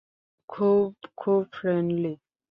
খুব, খুব ফ্রেন্ডলি।